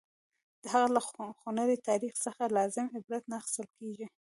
د هغه له خونړي تاریخ څخه لازم عبرت نه اخیستل کېږي.